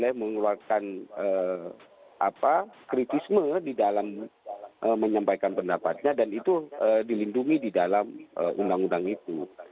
saya mengeluarkan kritisme di dalam menyampaikan pendapatnya dan itu dilindungi di dalam undang undang itu